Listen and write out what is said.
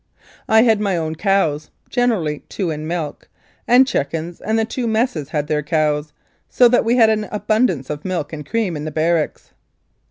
I had my own cows (generally two in milk) and chickens, and the two messes had their cows, so that we had an abundance of milk and cream in the barracks.